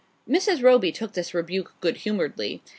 Mrs. Roby took this rebuke good humouredly.